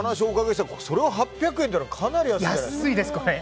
それが８００円というのは安いです！